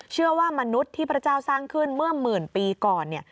เชื่อว่ามนุษย์ที่พระเจ้าสร้างขึ้นเมื่อหมื่นปีก่อนเนี่ย